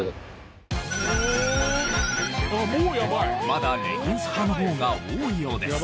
まだレギンス派の方が多いようです。